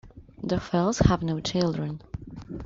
The Fells have no children.